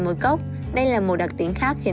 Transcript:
một cốc đây là một đặc tính khác khiến